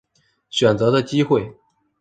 选择的机会